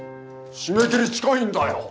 締め切り近いんだよ！